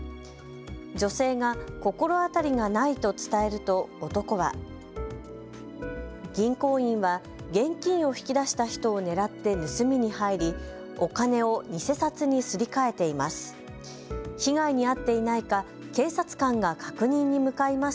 女性が心当たりがないと伝えると男は銀行員は現金を引き出した人を狙って盗みに入りお金を偽札にすり替えています。